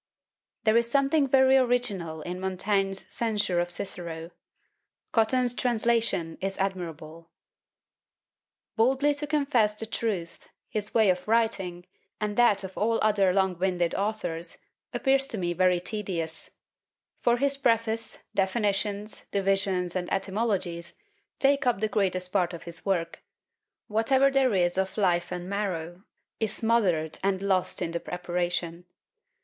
There is something very original in Montaigne's censure of Cicero. Cotton's translation is admirable. "Boldly to confess the truth, his way of writing, and that of all other long winded authors, appears to me very tedious; for his preface, definitions, divisions, and etymologies, take up the greatest part of his work; whatever there is of life and marrow, is smothered and lost in the preparation.